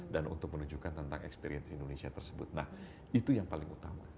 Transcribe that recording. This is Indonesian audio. dan untuk menunjukkan tentang experience indonesia tersebut nah itu yang paling utama